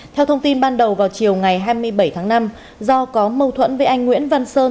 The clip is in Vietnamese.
theo thông tin ban đầu vào chiều ngày hai mươi bảy tháng năm do có mâu thuẫn với anh nguyễn văn sơn